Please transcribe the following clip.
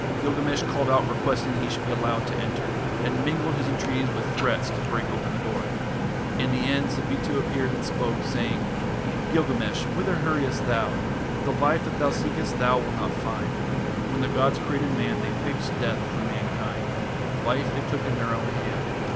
Gilgamesh called out requesting that he should be allowed to enter, and mingled his entreaties with threats to break open the door. In the end Sabitu appeared and spoke, saying: Gilgamesh, whither hurriest thou? The life that thou seekest thou wilt not find. When the gods created man They fixed death for mankind. Life they took in their own hand.